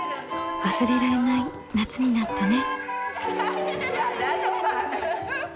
忘れられない夏になったね。